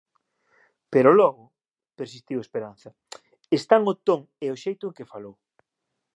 Pero logo —persistiu Esperanza—, están o ton e o xeito en que falou.